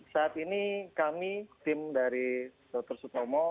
saat ini kami tim dari dr sutomo